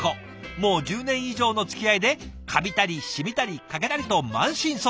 もう１０年以上のつきあいでカビたり染みたり欠けたりと満身創痍。